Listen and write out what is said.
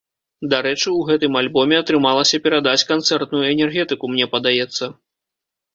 Дарэчы, у гэтым альбоме атрымалася перадаць канцэртную энергетыку, мне падаецца.